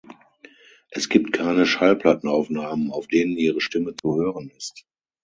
Es gibt keine Schallplattenaufnahmen, auf denen ihre Stimme zu hören ist.